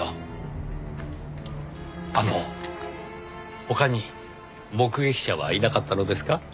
あの他に目撃者はいなかったのですか？